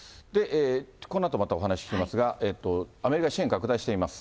このあとまたお話聞きますが、アメリカは支援を拡大しています。